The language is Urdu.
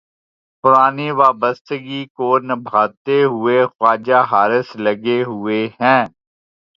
پرانی وابستگی کو نبھاتے ہوئے خواجہ حارث لگے ہوئے ہیں۔